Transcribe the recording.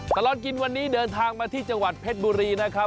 ตลอดกินวันนี้เดินทางมาที่จังหวัดเพชรบุรีนะครับ